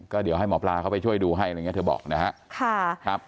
ก็เดี๋ยวให้หมอปลาเข้าไปช่วยดูให้อะไรอย่างนี้เธอบอกนะครับ